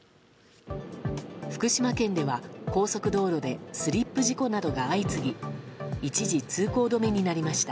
福島県では高速道路でスリップ事故などが相次ぎ一時通行止めになりました。